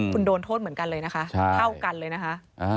คุณโดนโทษเหมือนกันเลยนะคะเท่ากันเลยนะคะ